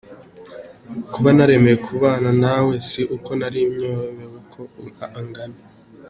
Kuba naremeye kubana na we si uko nari nyobewe uko angana.